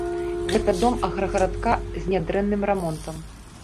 Гэта дом аграгарадка з нядрэнным рамонтам.